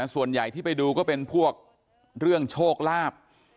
ส่วนใหญ่ที่ไปดูก็เป็นพวกเรื่องโชคลาภ